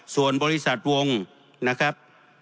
ส่วนบริษัทวงนะครับ